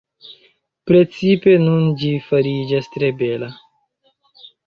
Precipe nun ĝi fariĝas tre bela.